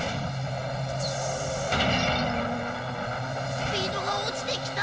スピードが落ちてきた。